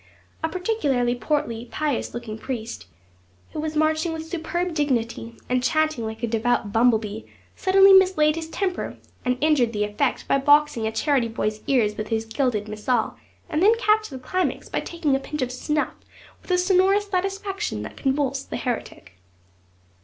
A particularly portly, pious looking priest, who was marching with superb dignity, and chanting like a devout bumble bee, suddenly mislaid his temper, and injured the effect by boxing a charity boy's ears with his gilded missal, and then capped the climax by taking a pinch of snuff with a sonorous satisfaction that convulsed the heretic.